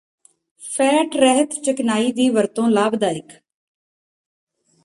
fat ਰਹਿਤ ਚਿਕਨਾਈ ਦੀ ਵਰਤੋਂ ਲਾਭਦਾਇਕ